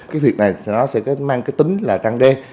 cái việc này nó sẽ mang cái tính là răng đe